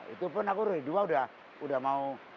itu pun aku dua udah mau